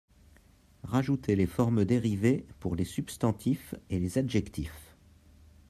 rajouter les formes dérivées pour les substantifs et les adjectifs.